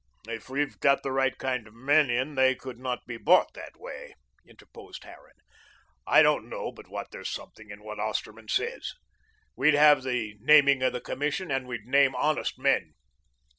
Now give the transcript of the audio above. "If we've got the right kind of men in they could not be bought that way," interposed Harran. "I don't know but what there's something in what Osterman says. We'd have the naming of the Commission and we'd name honest men."